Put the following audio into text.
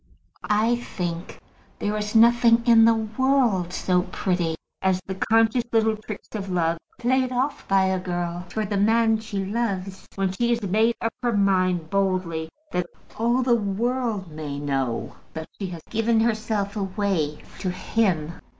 I think there is nothing in the world so pretty as the conscious little tricks of love played off by a girl towards the man she loves, when she has made up her mind boldly that all the world may know that she has given herself away to him.